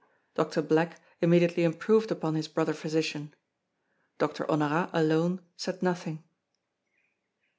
Doctor Black immediately improved upon his brother physician. Doctor Honorat, alone, said nothing.